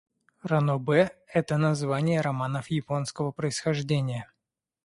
Ранобэ — это название романов японского происхождения.